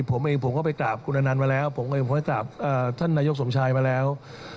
ผมเองผมก็ไปกราบคุณอนันต์มาแล้วผมเองผมก็กราบท่านนายกสมชายมาแล้ว